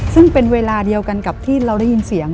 ซึ่งเป็นเวลาเดียวกันกับที่เราได้ยินเสียง